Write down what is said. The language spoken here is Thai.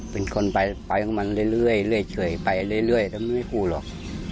เป็นคนไปไปของมันเรื่อยเรื่อยไปเรื่อยแล้วมันไม่พูดหรอก